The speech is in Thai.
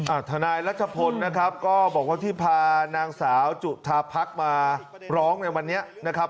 ทนายรัชพลนะครับก็บอกว่าที่พานางสาวจุธาพักมาร้องในวันนี้นะครับ